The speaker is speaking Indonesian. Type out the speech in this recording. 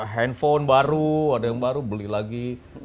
handphone baru ada yang baru beli lagi